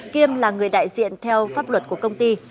kiêm là người đại diện theo pháp luật của công ty